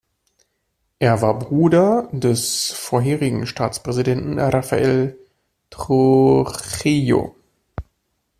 Er war Bruder des vorherigen Staatspräsidenten Rafael Trujillo.